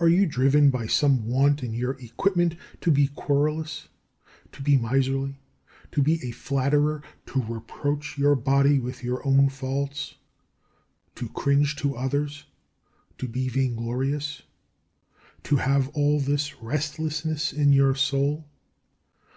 Are you driven by some want in your equipment to be querulous, to be miserly, to be a flatterer, to reproach your body with your own faults, to cringe to others, to be vainglorious, to have all this restlessness in your soul?